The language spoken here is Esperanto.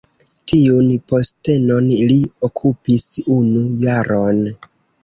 Tiun postenon li okupis unu jaron.